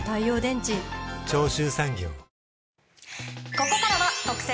ここからは特選！！